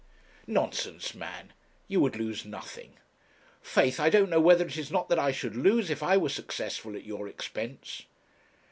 'Nonsense, man; you would lose nothing. Faith, I don't know whether it is not I that should lose, if I were successful at your expense.'